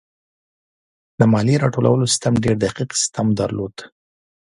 د مالیې راټولولو سیستم ډېر دقیق سیستم درلود.